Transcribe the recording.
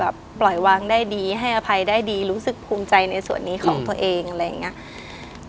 ปล่อยวางได้ดีให้อภัยได้ดีรู้สึกภูมิใจในส่วนนี้ของตัวเองอะไรอย่างนี้